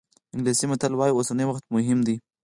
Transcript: انګلیسي متل وایي اوسنی وخت مهم دی.